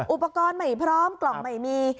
อุปกรณ์ไม่พร้อมกล่องไม่มี